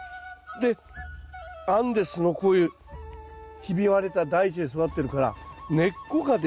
でアンデスのこういうひび割れた大地で育ってるから根っこがですね